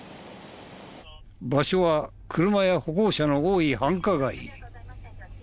場所は車や歩行者の多い繁華街。